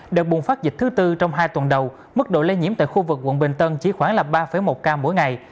đợt bùng phát dịch thứ tư trong hai tuần đầu mức độ lây nhiễm tại khu vực quận bình tân chỉ khoảng là ba một ca mỗi ngày